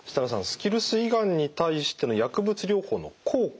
スキルス胃がんに対しての薬物療法の効果